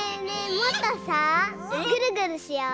もっとさぐるぐるしよう！